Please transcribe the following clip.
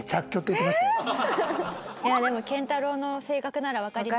いやでも健太郎の性格ならわかります。